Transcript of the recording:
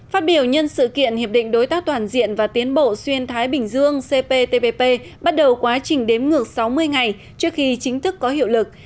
phát biểu nhân sự kiện hiệp định đối tác toàn diện và tiến bộ xuyên thái bình dương cptpp bắt đầu quá trình đếm ngược sáu mươi ngày trước khi chính thức có hiệu lực